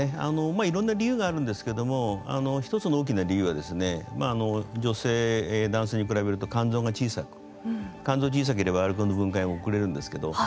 いろんな理由があるんですけれども１つの大きな理由は女性は男性に比べると肝臓が小さく肝臓が小さければアルコールの分解も遅れるんですけど。